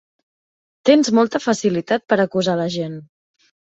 Tens molta facilitat per acusar a la gent!